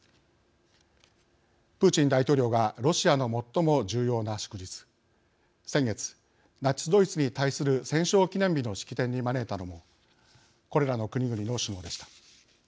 プーチン大統領がロシアの最も重要な祝日先月ナチスドイツに対する戦勝記念日の式典に招いたのもこれらの国々の首脳でした。